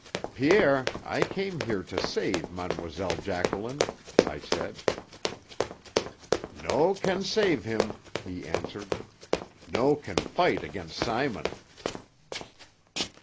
"Pierre, I came here to save Mlle. Jacqueline," I said. "No can save him," he answered. "No can fight against Simon."